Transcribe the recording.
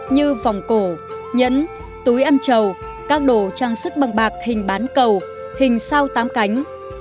như vòng cổ nhẫn túi ăn trầu các đồ trang sức bằng bạc hình bán cầu hình sao tám cánh